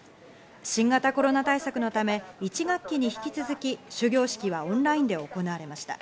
新型コロナ対策のため、１学期に引き続き、終業式はオンラインで行われました。